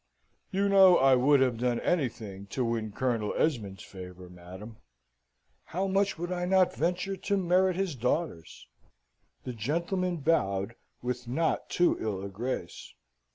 "You know I would have done anything to win Colonel Esmond's favour. Madam, how much would I not venture to merit his daughter's?" The gentleman bowed with not too ill a grace.